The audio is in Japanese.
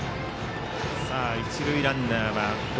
一塁ランナーは堀。